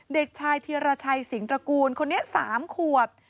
เด็กชายธีรชัยสิงตระกูลคนนี้๓ขวบ